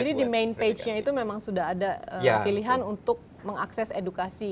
jadi di main page nya itu memang sudah ada pilihan untuk mengakses edukasi